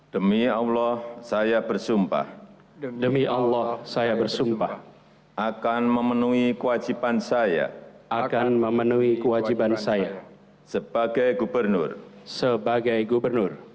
demi allah saya bersumpah akan memenuhi kewajiban saya sebagai gubernur